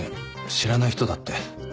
知らない人だって。